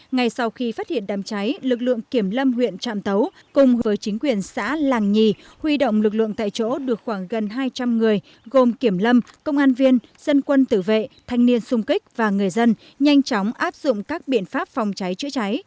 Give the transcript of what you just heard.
ngay sau khi phát hiện đám cháy lực lượng kiểm lâm huyện trạm tấu cùng với chính quyền xã làng nhì huy động lực lượng tại chỗ được khoảng gần hai trăm linh người gồm kiểm lâm công an viên dân quân tử vệ thanh niên sung kích và người dân nhanh chóng áp dụng các biện pháp phòng cháy chữa cháy